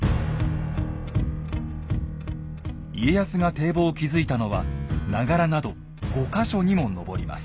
家康が堤防を築いたのは長柄など５か所にも上ります。